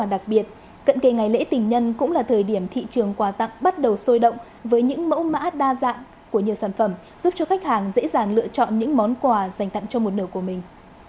đặc biệt cận kề ngày lễ tình nhân cũng là thời điểm thị trường quà tặng bắt đầu sôi động với những mẫu mã đa dạng của nhiều sản phẩm giúp cho khách hàng dễ dàng lựa chọn những món quà dành tặng cho một nở của mình